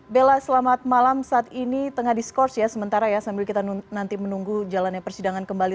bella selamat malam saat ini tengah diskurs ya sementara ya sambil kita nanti menunggu jalannya persidangan kembali